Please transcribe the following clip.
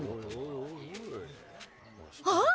あっ！？